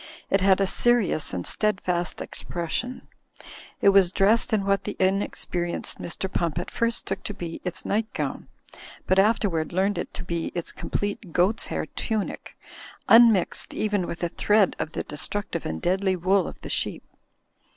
It had a serious and steadfast expression. It was dressed in what the in experienced Mr. Pump at first took to be its night gown ; but afterward learned to be its complete goats' hair tunic, unmixed even with a thread of tiie destruc tive and deadly wool of the sheep.